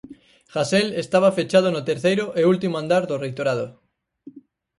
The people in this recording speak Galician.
Hasel estaba fechado no terceiro e último andar do reitorado.